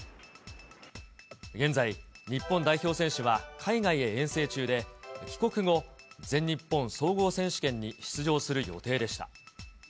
現在、日本代表選手は海外へ遠征中で、帰国後、全日本総合選手権に出場する予定でした。